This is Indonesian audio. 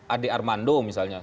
adik armando misalnya